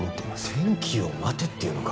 天気を待てって言うのか？